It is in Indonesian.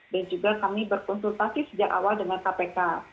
dan juga kami berkonsultasi sejak awal dengan kpk